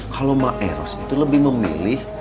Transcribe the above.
kalau mbak eros itu lebih memilih